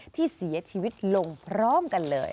ที่เสียชีวิตลงพร้อมกันเลย